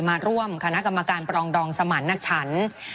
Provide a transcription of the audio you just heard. ไม่ได้เป็นประธานคณะกรุงตรี